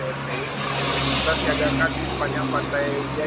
kita siagakan di sepanjang pantai gianyar